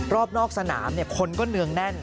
รอบนอกสนามคนก็เนืองแน่น